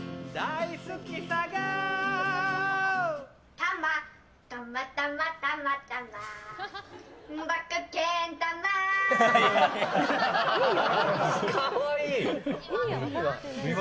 たま、たま、たま、たま。